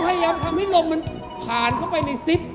พยายามทำให้ลมมันผ่านเข้าไปในซิป